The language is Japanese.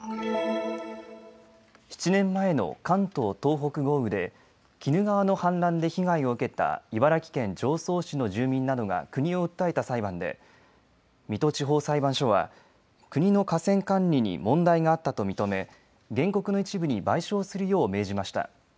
７年前の関東・東北豪雨で鬼怒川の氾濫で被害を受けた茨城県常総市の住民などが国を訴えた裁判で水戸地方裁判所は国の河川管理に問題があったと認め原告の一部に賠償するよう命じました。